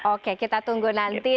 oke kita tunggu nanti